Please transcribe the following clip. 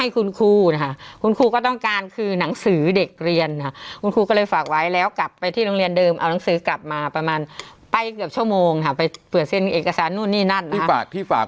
คุณครูนะคะคุณครูก็ต้องการคือหนังสือเด็กเรียนค่ะคุณครูก็เลยฝากไว้แล้วกลับไปที่โรงเรียนเดิมเอาหนังสือกลับมาประมาณไปเกือบชั่วโมงค่ะไปเปิดเซ็นเอกสารนู่นนี่นั่น